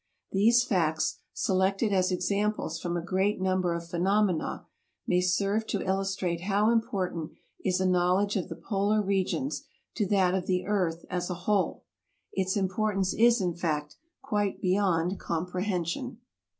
These facts, selected as examples from a great number of phenomena, may serve to illustrate how important is a knowledge of the polar regions to that of the earth as a whole. Its importance is, in fact, quite beyond comprehension.